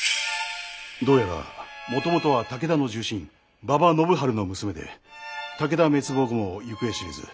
どうやらもともとは武田の重臣馬場信春の娘で武田滅亡後も行方知れず。